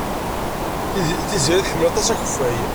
Tiziri tḥemmel aṭas akeffay.